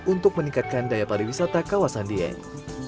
untuk meningkatkan daya pariwisata kawasan dieng